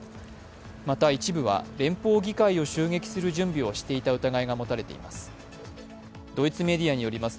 また一部は連邦議会を襲撃する準備をしていた疑いが持たれています。